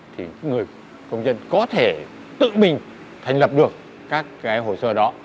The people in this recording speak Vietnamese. thì người công dân có thể tự mình thành lập được các cái hồ sơ đó